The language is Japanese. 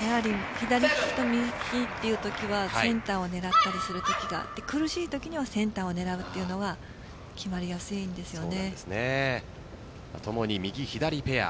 やはり左利きと右利きというときはセンターを狙ったりするときがあって苦しいときにはセンターを狙うというのが共に右、左ペア。